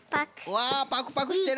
わあパクパクしてる。